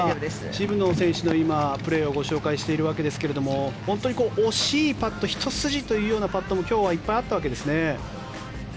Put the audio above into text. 渋野選手の今、プレーをご紹介していますが本当に惜しいパットひと筋というパットも今日はいっぱいあったわけですね。